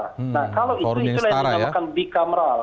nah kalau itu yang dinamakan bicameral